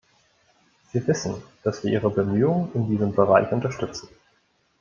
Sie wissen, dass wir Ihre Bemühungen in diesem Bereich unterstützen.